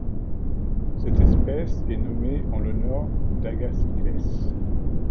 Cette espèce est nommée en l'honneur d'Agasiclès.